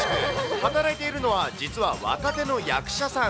働いているのは、実は若手の役者さん。